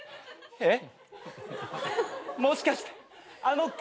えっ？